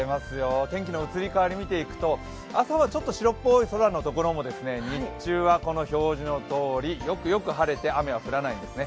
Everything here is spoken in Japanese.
天気の移り変わりを見ていくと朝はちょっと白っぽい空のところも日中は、この表示のとおりよくよく晴れて雨は降らないですね。